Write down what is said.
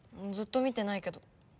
ずっと見てないけど。